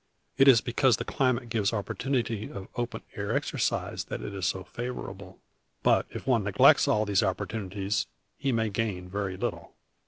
It is because the climate gives opportunity of open air exercise that it is so favorable; but, if one neglects all these opportunities, he may gain very little.